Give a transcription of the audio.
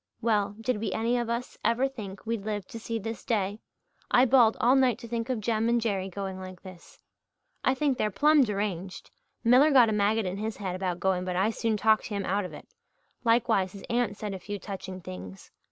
"Well, did we any of us ever think we'd live to see this day? I bawled all night to think of Jem and Jerry going like this. I think they're plumb deranged. Miller got a maggot in his head about going but I soon talked him out of it likewise his aunt said a few touching things.